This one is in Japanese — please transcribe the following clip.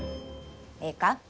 ええか？